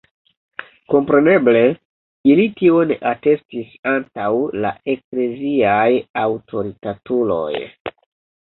Kompreneble, ili tion atestis antaŭ la ekleziaj aŭtoritatuloj.